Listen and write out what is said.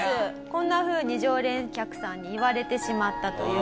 こんなふうに常連客さんに言われてしまったという事なんです。